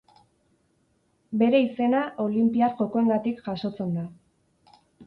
Bere izena Olinpiar Jokoengatik jasotzen du.